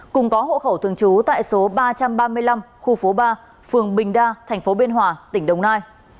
cùng có hộ khẩu thường trú tại số ba trăm ba mươi năm khu phố ba phường bình đa thành phố biên hòa tỉnh đồng nai